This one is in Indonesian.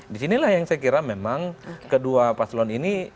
disinilah yang saya kira memang kedua paslon ini